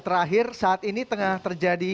terakhir saat ini tengah terjadi